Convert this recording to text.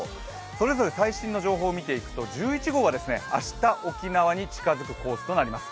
それぞれ最新の情報を見ていきますと１１号は明日、沖縄に近付くコースとなります。